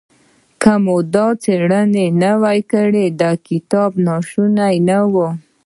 که مې دا څېړنه نه وای کړې دا کتاب ناشونی و.